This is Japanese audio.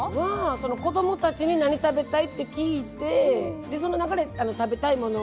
子供たちに「何食べたい？」って聞いてその中で食べたいものを。